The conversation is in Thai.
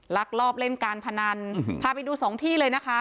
ลักลอบเล่นการพนันพาไปดูสองที่เลยนะคะ